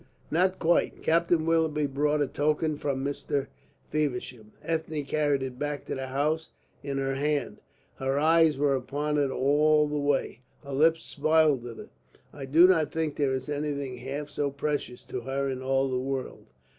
"Not quite. Captain Willoughby brought a token from Mr. Feversham. Ethne carried it back to the house in her hand. Her eyes were upon it all the way, her lips smiled at it. I do not think there is anything half so precious to her in all the world."